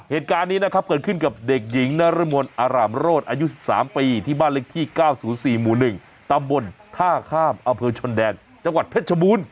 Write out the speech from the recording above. เหตุการณ์นี้นะครับเกิดขึ้นกับเด็กหญิงนรมนอารามโรศอายุ๑๓ปีที่บ้านเล็กที่๙๐๔หมู่๑ตำบลท่าข้ามอำเภอชนแดนจังหวัดเพชรชบูรณ์